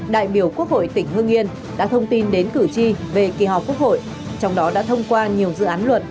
đại biểu quốc hội tỉnh hương yên đã thông tin đến cử tri về kỳ họp quốc hội trong đó đã thông qua nhiều dự án luật